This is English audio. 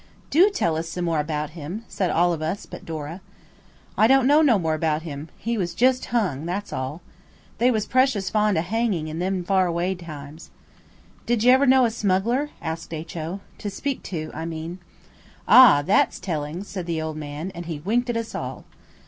"Do tell us some more about him," said all of us but Dora. "I don't know no more about him. He was just hung–that's all. They was precious fond o' hangin' in them old far away times." "Did you ever know a smuggler?" asked H.O.–"to speak to, I mean?" "Ah, that's tellings," said the old man, and he winked at us all.